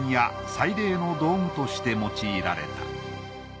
祭礼の道具として用いられた。